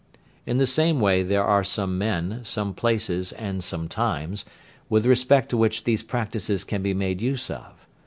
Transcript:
In the same way there are some men, some places and some times, with respect to which these practices can be made use of.